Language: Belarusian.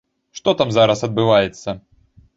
Што там зараз адбываецца?